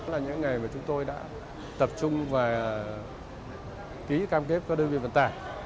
là những ngày mà chúng tôi đã tập trung và ký cam kếp các đơn vị vận tải